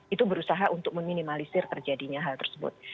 itu berusaha untuk meminimalisir terjadinya hal tersebut